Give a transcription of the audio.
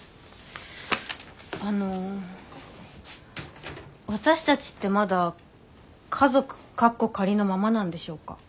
あの私たちってまだ家族カッコ仮のままなんでしょうか？